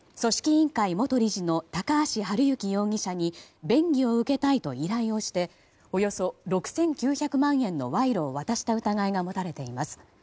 委員会元理事の高橋治之容疑者に便宜を受けたいと依頼をしておよそ６９００万円の賄賂を渡した疑いが持たれています。